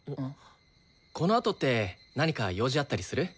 このあとって何か用事あったりする？